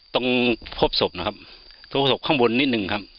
ตรงพบศพนะครับตรงศพข้างบนนิดนึงครับ